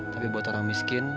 tapi buat orang miskin